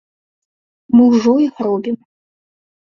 Мы ўжо іх робім.